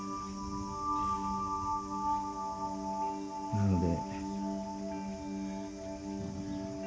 なので。